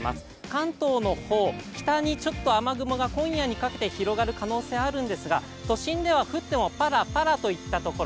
関東の方、北にちょっと雨雲が今夜にかけて広がる可能性があるんですが都心では降ってもパラパラといったところ。